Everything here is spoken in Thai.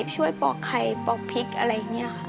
ปอกไข่ปอกพริกอะไรอย่างนี้ค่ะ